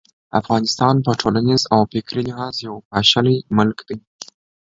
افغانستان په ټولنیز او فکري لحاظ یو پاشلی ملک دی.